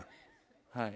はい。